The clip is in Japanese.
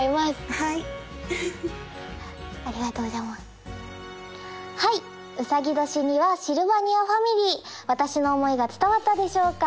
はいありがとうございますはいうさぎ年にはシルバニアファミリー私の思いが伝わったでしょうか？